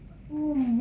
umur lu ganti gocak